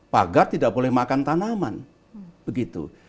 pagar tidak boleh makan tanaman begitu